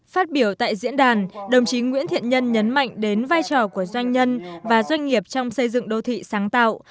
phát biểu tại diễn đàn đồng chí nguyễn thiện nhân nhấn mạnh đến vai trò của doanh nhân và doanh nghiệp trong xây dựng đô thị sáng tạo